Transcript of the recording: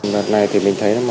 lần này thì mình thấy